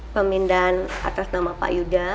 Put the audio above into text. pemindahan atas nama pak yuda